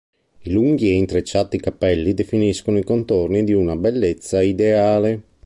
I lunghi e intrecciati capelli definiscono i contorni di una bellezza ideale.